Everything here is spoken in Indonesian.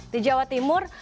di jawa timur